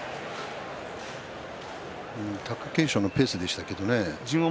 貴景勝のペースでしたけどね。